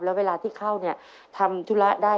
แล้วเวลาที่เข้าเนี่ยทำธุระได้